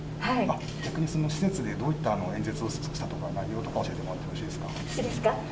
逆にその施設でどのような演説をしたとか、内容とか教えてもらっていいですか？